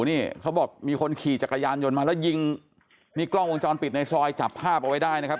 นี่เขาบอกมีคนขี่จักรยานยนต์มาแล้วยิงนี่กล้องวงจรปิดในซอยจับภาพเอาไว้ได้นะครับ